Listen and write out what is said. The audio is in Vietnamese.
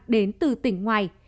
đến từ tỉnh ngoài